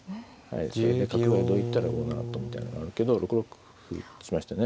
それで角がどいたら５七とみたいなのがあるけど６六歩打ちましたね。